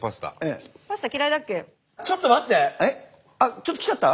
ちょっときちゃった？